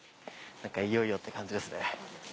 何かいよいよって感じですね。